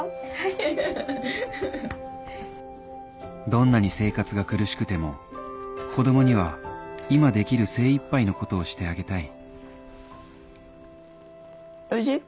どんなに生活が苦しくても子供には今できる精いっぱいのことをしてあげたいおいしい？